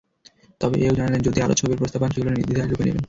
তবে এ-ও জানালেন, যদি আরও ছবির প্রস্তাব পান, সেগুলো নির্দ্বিধায় লুফে নেবেন।